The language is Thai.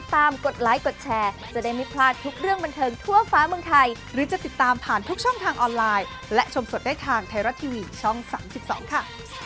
นะคะก็รอรู้แล้วกันนะคะเดี๋ยวได้เจอกันเดี๋ยวได้สัมภาษณ์พูดคุยกันแน่นอนคุณผู้ชมค่ะ